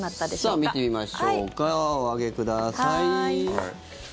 さあ見てみましょうかお上げください。